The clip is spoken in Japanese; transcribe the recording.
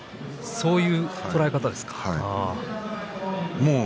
そういう捉え方ですか。